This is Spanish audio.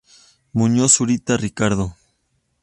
Muñoz Zurita, Ricardo.